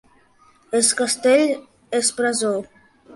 Es Castell és presó.